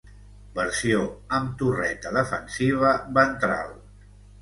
Versió amb torreta defensiva ventral.